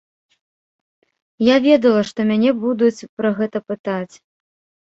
Я ведала, што мяне будуць пра гэта пытаць.